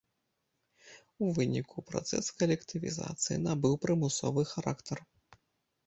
У выніку, працэс калектывізацыі набыў прымусовы характар.